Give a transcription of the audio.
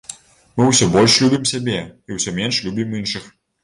Мы ўсё больш любім сябе, і усё менш любім іншых.